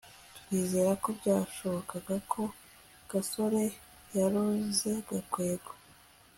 twizera ko byashobokaga ko gasore yaroze gakwego